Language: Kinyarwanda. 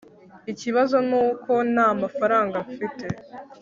ikibazo nuko ntamafaranga mfite